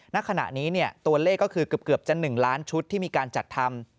ณขณะนี้ตัวเลขก็คือเกือบจะ๑ล้านชุดที่มีการจัดทำ